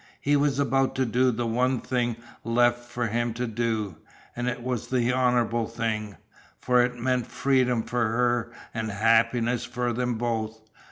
He was about to do the one thing left for him to do. And it was the honourable thing, for it meant freedom for her and happiness for them both.